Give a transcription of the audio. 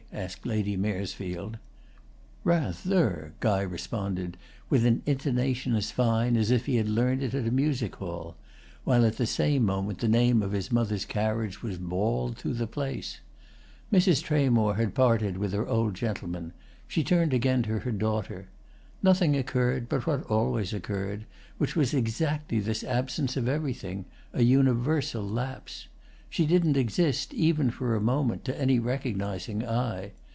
asked Lady Maresfield. "Rather!" Guy responded, with an intonation as fine as if he had learnt it at a music hall; while at the same moment the name of his mother's carriage was bawled through the place. Mrs. Tramore had parted with her old gentleman; she turned again to her daughter. Nothing occurred but what always occurred, which was exactly this absence of everything—a universal lapse. She didn't exist, even for a second, to any recognising eye.